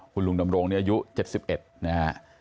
คุณลุงดำรงนี่อายุ๗๑นะฮะ